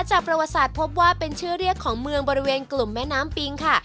จากประวัติศาสตร์พบว่าเป็นชื่อเรียกของเมืองบริเวณกลุ่มแม่น้ำปิงค่ะ